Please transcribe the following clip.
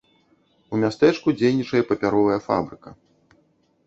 У мястэчку дзейнічае папяровая фабрыка.